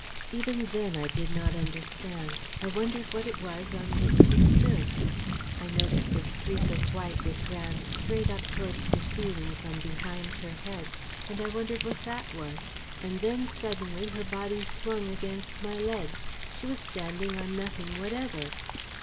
Even then I did not understand. I wondered what it was on which she stood. I noticed a streak of white which ran straight up towards the ceiling from behind her head, and I wondered what that was. And then suddenly her body swung against my legs. She was standing on nothing whatever!